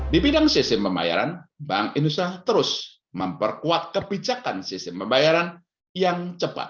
di bidang sistem pembayaran bank indonesia terus memperkuat kebijakan sistem pembayaran yang cepat